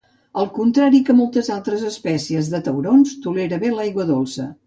Al contrari que moltes altres espècies de taurons, tolera bé l'aigua dolça.